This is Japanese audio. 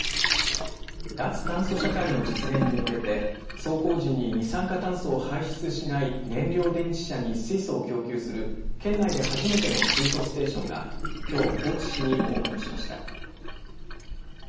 脱炭素社会の実現に向けて走行時に二酸化炭素を排出しない燃料電池車に水素を供給する県内で初めての水素ステーションがきょう高知市にオープンしました。